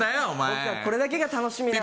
僕はこれだけが楽しみなんだ。